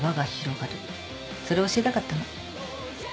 それを教えたかったの。